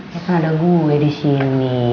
ya kan ada gue disini